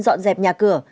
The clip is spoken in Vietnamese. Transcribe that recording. dọn dẹp nhà cửa